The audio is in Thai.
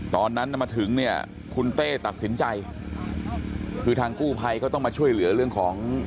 ตอนนั้นมาถึงเนี่ยคุณเต้ตัดสินใจคือทางกู้ภัยก็ต้องมาช่วยเหลือเรื่องของ